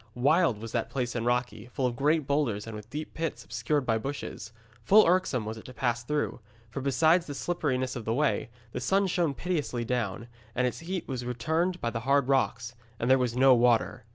Wild was that place and rocky, full of great boulders and with deep pits obscured by bushes. Full irksome was it to pass through, for besides the slipperiness of the way, the sun shone pitilessly down, and its heat was returned by the hard rocks. And there was no water.